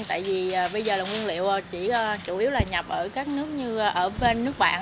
tại vì bây giờ là nguyên liệu chỉ chủ yếu là nhập ở các nước như ở bên nước bạn